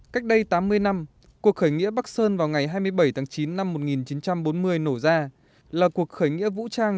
cách đây tám mươi năm cuộc khởi nghĩa bắc sơn vào ngày hai mươi bảy tháng chín năm một nghìn chín trăm bốn mươi nổ ra là cuộc khởi nghĩa vũ trang